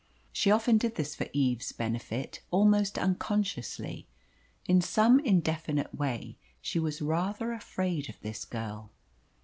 She often did this for Eve's benefit, almost unconsciously. In some indefinite way she was rather afraid of this girl.